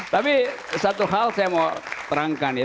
tapi satu hal saya mau terangkan ya